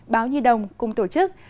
báo nhi đồng cùng tổ chức